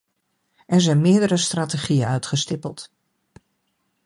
Er zijn meerdere strategieën uitgestippeld.